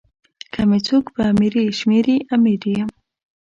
که می څوک په امیری شمېري امیر یم.